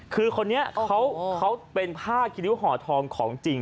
คือคนนี้เขาเป็นผ้าคิริ้วห่อทองของจริง